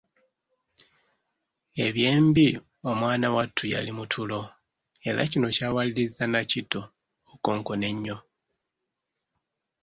Eby'embi omwana wattu yali mu tulo era kino kyawaliriza Nakitto okukonkona ennyo.